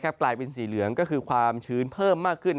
กลายเป็นสีเหลืองก็คือความชื้นเพิ่มมากขึ้น